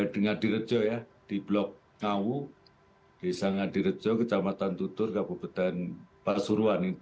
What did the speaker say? dengan direjo ya di blok ngawu desa ngadirejo kecamatan tutur kabupaten pasuruan